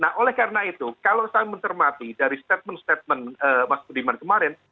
nah oleh karena itu kalau saya mencermati dari statement statement mas budiman kemarin